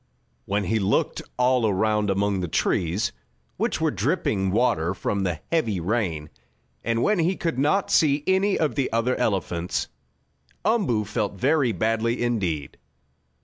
When he looked all around among the trees, which were dripping water from the heavy rain, and when he could not see any of the other elephants, Umboo felt very badly indeed.